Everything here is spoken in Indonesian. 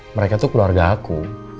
mereka tuh keluarga aku